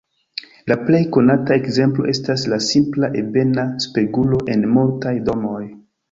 La plej konata ekzemplo estas la simpla ebena spegulo en multaj domoj.